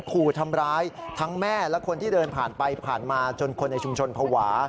ขู่ทำร้ายทั้งแม่และคนที่เดินผ่านไปผ่านมาจนคนในชุมชนภาวะ